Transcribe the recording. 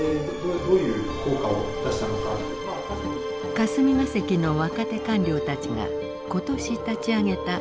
霞が関の若手官僚たちが今年立ち上げたＮＰＯ。